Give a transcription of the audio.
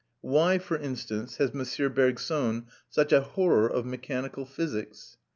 Why, for instance, has M. Bergson such a horror of mechanical physics?